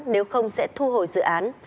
nếu không sẽ thu hồi dự án